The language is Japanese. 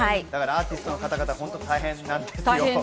アーティストの方々、大変なんですよ。